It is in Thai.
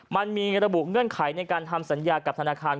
มันมีระบุเงื่อนไขในการทำสัญญากับธนาคาร